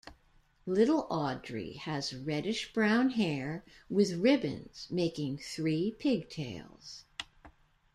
Little Audrey has reddish brown hair with ribbons making three pigtails.